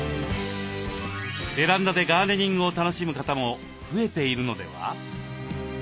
ベランダでガーデニングを楽しむ方も増えているのでは？